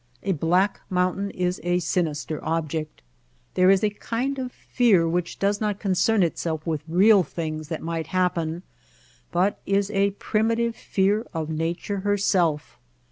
A black mountain is a sinister object. There is a kind of fear which does not concern itself with real things that might happen, but is a primitive fear of nature herself.